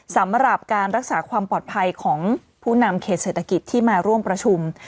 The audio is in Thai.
สำหรับการรักษาความปลอดภัยของผู้นำเขตเศรษฐกิจที่มาร่วมประชุม